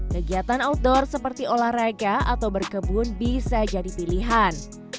kegiatan outdoor seperti olahraga atau berkebun bisa jadi pilihan